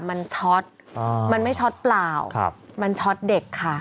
มันช็อตมันไม่ช็อตเปล่ามันช็อตเด็กค่ะ